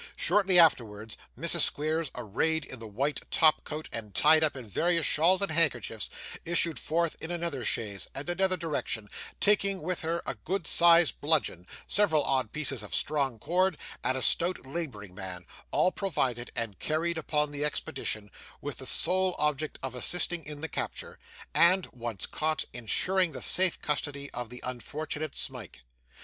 Shortly afterwards, Mrs. Squeers, arrayed in the white top coat, and tied up in various shawls and handkerchiefs, issued forth in another chaise and another direction, taking with her a good sized bludgeon, several odd pieces of strong cord, and a stout labouring man: all provided and carried upon the expedition, with the sole object of assisting in the capture, and (once caught) insuring the safe custody of the unfortunate Smike.